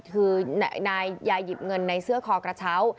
คือนายยาหยิบเงินในเสื้อคอกระเช้า